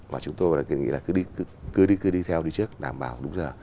và chúng tôi nghĩ là cứ đi cứ đi cứ đi theo đi trước đảm bảo đúng giờ